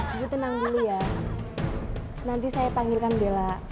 ibu tenang dulu ya nanti saya panggilkan bella